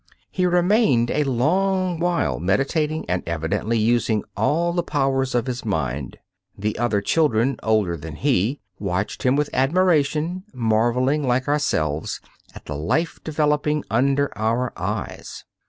He remained a long while meditating and evidently using all the powers of his mind. The other children older than he watched him with admiration, marveling, like ourselves, at the life developing under our eyes.